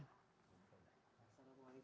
assalamu'alaikum warahmatullahi wabarakatuh